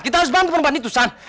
kita harus bantu perempuan itu san